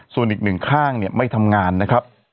ส่วนอีกหนึ่งข้างไม่ทำงานนะครับ